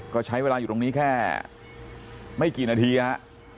ก็ใช้เวลาอยู่ตรงนี้แค่ไม่กี่นาทีฮะ